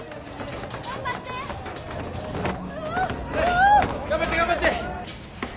あ！頑張って頑張って！